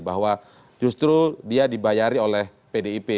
bahwa justru dia dibayari oleh pdip